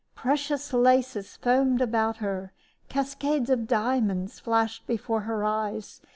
Precious laces foamed about her. Cascades of diamonds flashed before her eyes.